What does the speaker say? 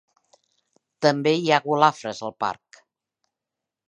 També hi ha golafres al parc.